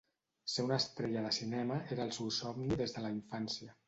Ser una estrella de cinema era el seu somni des de la infància.